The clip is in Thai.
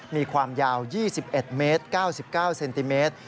มีความยาว๒๑เมตร๙๙เซนติเมตร